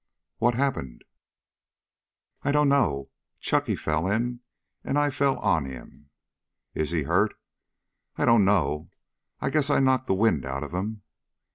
"What happened?" "I don't know. Chunky fell in and I fell on him." "Is he hurt?" "I don't know. I guess I knocked the wind out of him."